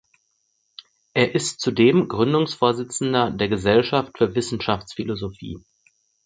Er ist zudem Gründungsvorsitzender der Gesellschaft für Wissenschaftsphilosophie.